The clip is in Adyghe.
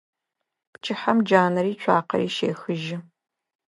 Пчыхьэм джанэри цуакъэри щехыжьы.